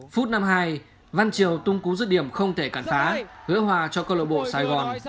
phút năm hai văn triều tung cú rứt điểm không thể cản phá gỡ hòa cho câu lạc bộ sài gòn